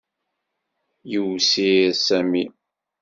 Yiwsir Sami.